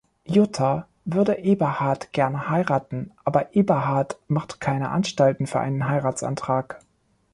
Jutta würde Eberhard gerne heiraten, aber Eberhard macht keine Anstalten für einen Heiratsantrag.